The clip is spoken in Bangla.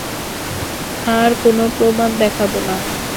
আর কোনো প্রমাণ দেখাব না।